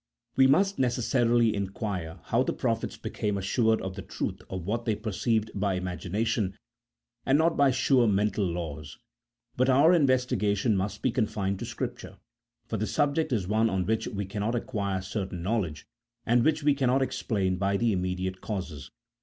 We must necessarily inquire how the prophets became assured of the truth of what they perceived by imagina tion, and not by sure mental laws ; but our investigation must be confined to Scripture, for the subject is one on which we cannot acquire certain knowledge, and which we cannot explain by the immediate causes.